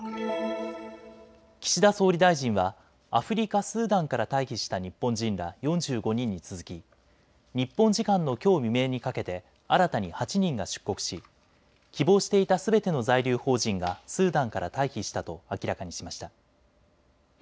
岸田総理大臣はアフリカ・スーダンから退避した日本人ら４５人に続き日本時間のきょう未明にかけて新たに８人が出国し、希望していたすべての在留邦人がスーダンから退避したと明らかにしました。